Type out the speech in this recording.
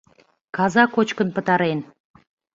Каза кочкын пытарен.